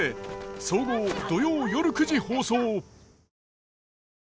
総合土曜夜９時放送！